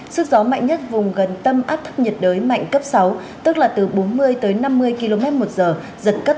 sức gió mạnh nhất vùng gần tâm áp thấp nhiệt đối mạnh cấp sáu tức là từ bốn mươi tới năm mươi km một giờ dần cấp tám